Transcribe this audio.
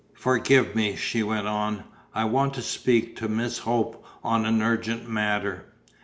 "Forgive me," she went on. "I want to speak to Miss Hope on an urgent matter."